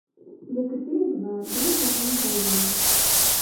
Як і тыя два, ён быў няголены.